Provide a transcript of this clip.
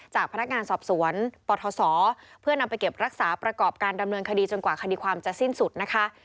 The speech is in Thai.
จากพนักงานสอบสวนปทศเพื่อนำไปเก็บรักษาประกอบการดำเนินคดีจนกว่าคดีความจะสิ้นสุดนะคะ